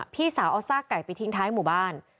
พี่สาวเอาซากไก่ไปทิ้งท้ายหมู่บ้าน